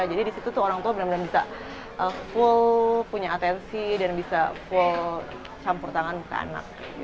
jadi di situ tuh orang tua benar benar bisa full punya atensi dan bisa full campur tangan ke anak